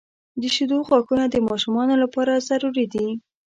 • د شیدو غاښونه د ماشومانو لپاره ضروري دي.